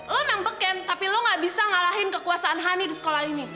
lo memang beken tapi lo gak bisa ngalahin kekuasaan hani di sekolah ini